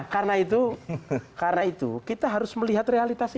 karena itu kita harus melihat realitas ini